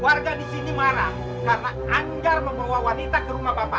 warga di sini marah karena anggar membawa wanita ke rumah bapak